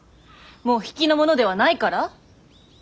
もう比企の者ではないから？